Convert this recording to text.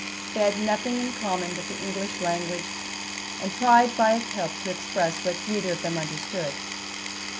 They had nothing in common but the English language, and tried by its help to express what neither of them understood.